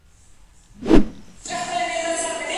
څنګه نېکمرغي زموږ په ورځنیو پرېکړو مخامخ اغېز کوي؟